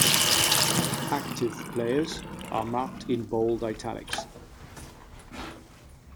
Active players are marked in bold italics.